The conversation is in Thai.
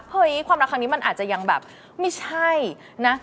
เฮ้ยความรักครั้งนี้มันอาจจะยังแบบไม่ใช่นะ